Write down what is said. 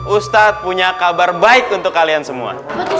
ustadz punya kabar baik untuk kalian semua